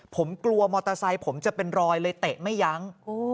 ผมกลัวมอเตอร์ไซค์ผมจะเป็นรอยเลยเตะไม่ยั้ง